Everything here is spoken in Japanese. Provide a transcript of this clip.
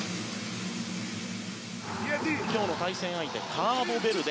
今日の対戦相手カーボベルデ。